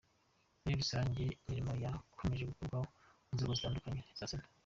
Muri rusange imirimo yakomeje gukorerwa mu nzego zitandukanye za Sena.